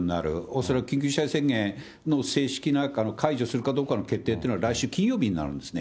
恐らく緊急事態宣言の正式な解除するかどうかの決定というのは来週金曜日になるんですね。